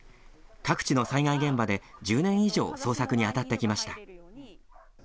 各地の災害現場で１０年以上、捜索にあたってきました。